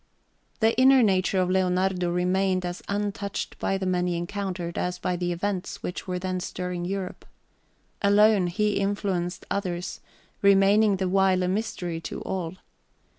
The inner nature of Leonardo remained as untouched by the men he encountered as by the events which were then stirring Europe. Alone, he influenced others, remaining the while a mystery to all.